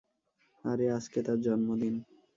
আরে আজকে তার জন্মদিন!